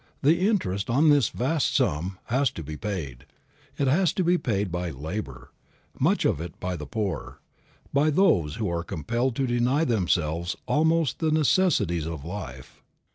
The interest on this vast sum has to be paid; it has to be paid by labor, much of it by the poor, by those who are compelled to deny themselves almost the necessities of life.